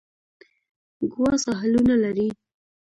ګوا ساحلونه لري.